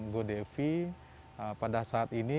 godevi pada saat ini